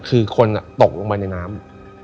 คือคนตกลงไปในน้ำ